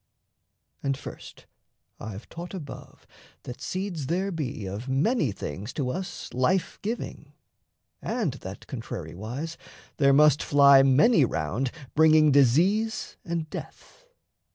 And, first, I've taught above That seeds there be of many things to us Life giving, and that, contrariwise, there must Fly many round bringing disease and death.